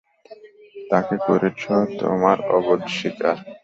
তাকে করেছ তোমার অবোধ শিকার!